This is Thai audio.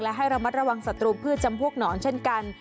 และให้ระมัดระวังศัตรูพืชจำพวกหนอนเช่นกัน